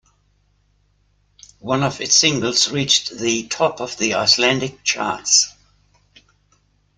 One of its singles reached the top of the Icelandic charts.